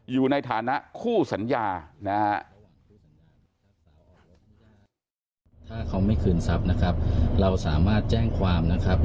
อยู่ในฐานะคู่สัญญานะฮะ